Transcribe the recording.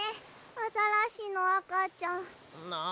アザラシのあかちゃん。なあ。